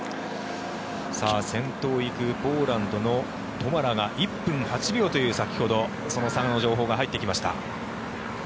先頭を行くポーランドのトマラが１分８秒という、先ほど差の情報が入ってきました。